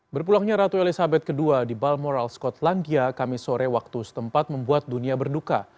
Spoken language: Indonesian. berpulangnya ratu elizabeth ii di balmoral skotlandia kami sore waktu setempat membuat dunia berduka